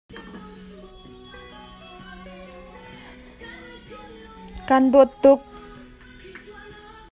Na ka phuang lai ma? Phuang naisai hlah!